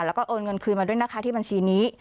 แล้วก็โอนเงินคืนมาด้วยนะคะที่บัญชีนี้